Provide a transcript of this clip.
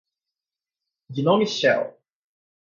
gnome shell